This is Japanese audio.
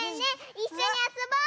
いっしょにあそぼ！